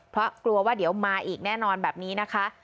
เพราะกลัวว่าเดี๋ยวมาอีกแน่นอนแบบนี้นะคะ